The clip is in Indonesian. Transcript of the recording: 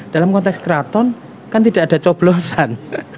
dalam konteks keraton kan tidak ada coblosan